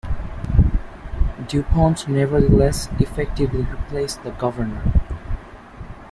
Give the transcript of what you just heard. Dupont nevertheless effectively replaced the Governor.